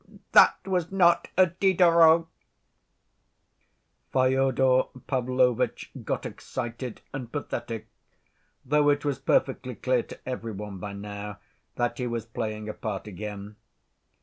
That was not a Diderot!" Fyodor Pavlovitch got excited and pathetic, though it was perfectly clear to every one by now that he was playing a part again.